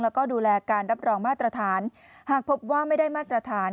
แล้วก็ดูแลการรับรองมาตรฐานหากพบว่าไม่ได้มาตรฐาน